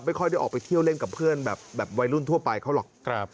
ไม่ค่อยได้ออกไปเที่ยวเล่นกับเพื่อนแบบวัยรุ่นทั่วไปเขาหรอก